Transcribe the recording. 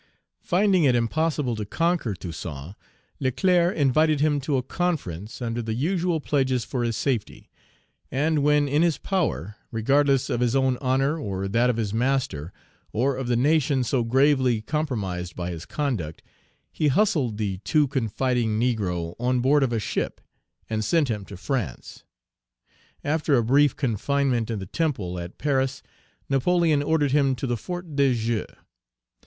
Finding it impossible to conquer Toussaint, Leclerc invited him to a conference, under the usual pledges for his safety; and, when in his power, regardless of his own honor or that of his master, or of the nation so gravely compromised by his conduct, he hustled the too confiding negro on board of a ship and sent him to France. After a brief confinement in the Temple at Page 351 Paris, Napoleon ordered him to the Fort de Joux.